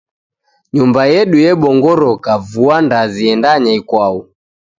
Nyumba yedu yebongoroka vua ndazi yendanya ikwau.